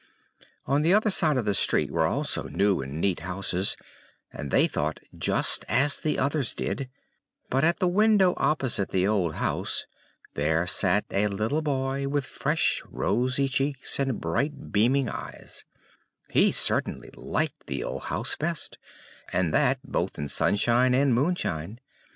On the other side of the street were also new and neat houses, and they thought just as the others did; but at the window opposite the old house there sat a little boy with fresh rosy cheeks and bright beaming eyes: he certainly liked the old house best, and that both in sunshine and moonshine.